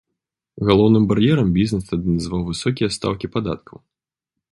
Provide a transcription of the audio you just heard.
Галоўным бар'ерам бізнес тады называў высокія стаўкі падаткаў.